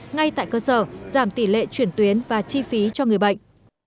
ngay tại cơ sở giảm tỷ lệ chuyển tuyến và chi phí cho người bệnh